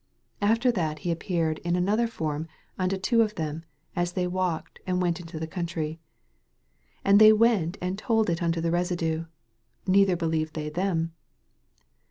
12 After that he appeared in another form unto two of them, as they walk ed, and vent into the country. 13 Ai;d they went and told it unto the residue ; neither believed they them.